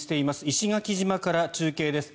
石垣島から中継です。